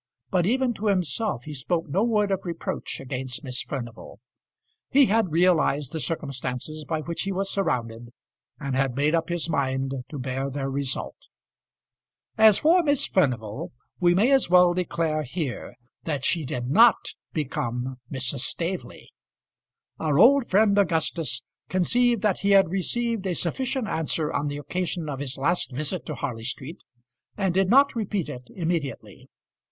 But even to himself he spoke no word of reproach against Miss Furnival. He had realised the circumstances by which he was surrounded, and had made up his mind to bear their result. As for Miss Furnival, we may as well declare here that she did not become Mrs. Staveley. Our old friend Augustus conceived that he had received a sufficient answer on the occasion of his last visit to Harley Street, and did not repeat it immediately.